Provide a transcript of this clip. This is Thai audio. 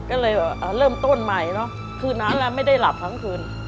ก็เลยเริ่มต้นใหม่เนอะคืนนั้นไม่ได้หลับทั้งคืน